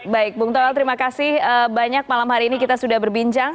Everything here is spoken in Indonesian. baik bung toel terima kasih banyak malam hari ini kita sudah berbincang